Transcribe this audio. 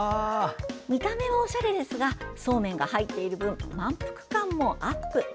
見た目はおしゃれですがそうめんが入っている分満腹感もアップ。